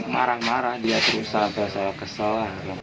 marah marah dia susah saya kesel